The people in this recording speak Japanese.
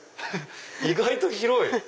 意外と広い！